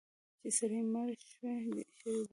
چې سړی مړ شوی دی.